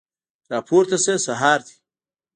راپورته شه سحر دی